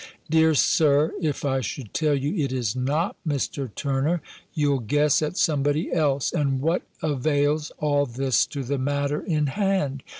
"Dear Sir, if I should tell you it is not Mr. Turner, you'll guess at somebody else: and what avails all this to the matter in hand?